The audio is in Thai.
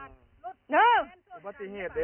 ทั้งเรื่องฝุ่นละอองและเกิดอุบัติเหตุแทบทุกวัน